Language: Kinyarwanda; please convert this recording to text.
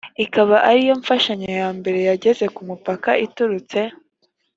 ikaba ari yo mfashanyo ya mbere yageze ku mupaka iturutse